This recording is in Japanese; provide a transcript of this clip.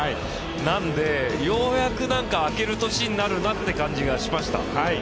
なんで、ようやく明ける年になるなっていう感じがしました。